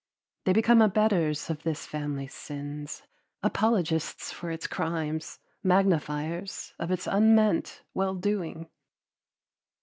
They become abetters of this family's sins, apologists for its crimes, magnifiers of its unmeant well doing.